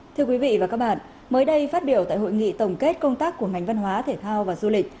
thưa quý vị và các bạn mới đây phát biểu tại hội nghị tổng kết công tác của ngành văn hóa thể thao và du lịch